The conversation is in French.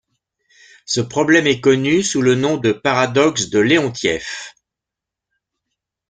Ce problème est connu sous le nom de paradoxe de Leontief.